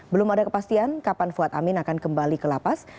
belum ada kepastian kapan fuad amin akan kembali ke lapas